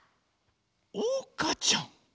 おうかちゃん。